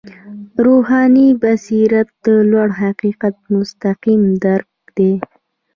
روحاني بصیرت د لوړ حقیقت مستقیم درک دی.